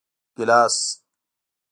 🍒 ګېلاس